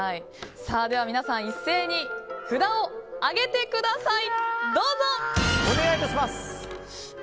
では皆さん一斉に札を上げてください。